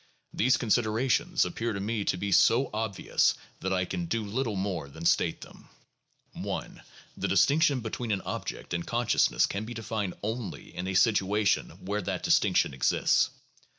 These considerations appear to me to be so obvious that I can do little more than state them. i. The distinction between an object and consciousness can be defined only in a situation where that distinction exists.